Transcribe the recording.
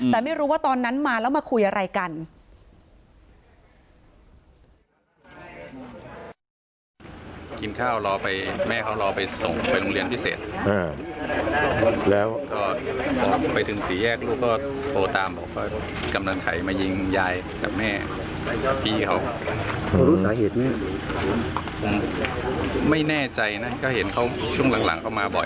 แต่ไม่รู้ว่าตอนนั้นมาแล้วมาคุยอะไรกัน